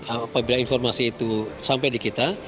apabila informasi itu sampai di kita